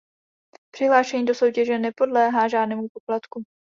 Přihlášení do soutěže nepodléhá žádnému poplatku.